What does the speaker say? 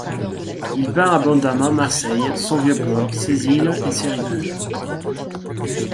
Il peint abondamment Marseille, son Vieux-Port, ses îles et ses rivages.